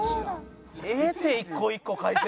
ええって一個一個解説。